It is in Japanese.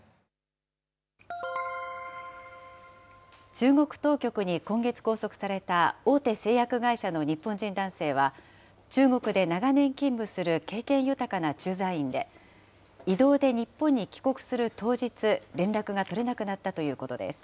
中国当局に今月拘束された大手製薬会社の日本人男性は、中国で長年勤務する経験豊かな駐在員で、異動で日本に帰国する当日、連絡が取れなくなったということです。